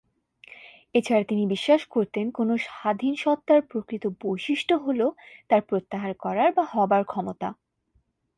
এছাড়া তিনি বিশ্বাস করতেন, কোন স্বাধীন সত্ত্বার প্রকৃত বৈশিষ্ট্য হল তার প্রত্যাহার করার/হবার ক্ষমতা।